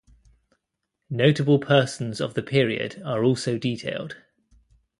Notable persons of the period are also detailed.